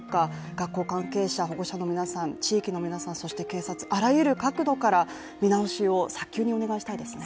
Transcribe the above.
学校関係者、保護者の皆さん、地域の皆さん、そして警察あらゆる角度から見直しを早急にお願いしたいですね。